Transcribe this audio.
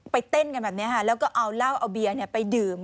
เต้นกันแบบนี้ค่ะแล้วก็เอาเหล้าเอาเบียร์ไปดื่ม